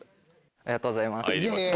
ありがとうございます。